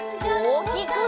おおきく！